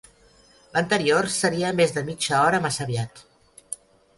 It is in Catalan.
L'anterior seria més de mitja hora massa aviat.